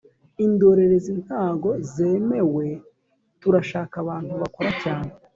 Indorerezi ntago zemewe turashaka abantu bakora cyane